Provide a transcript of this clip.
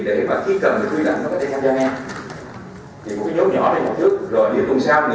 để mà khi cần thì quyết định nó có thể tham gia nghe